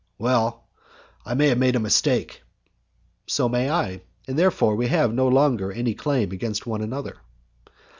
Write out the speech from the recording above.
"Well, I may have made a mistake." "So may I, and therefore we have no longer any claim against one another."